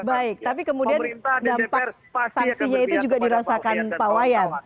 baik tapi kemudian dampak saksinya itu juga dirasakan pawayan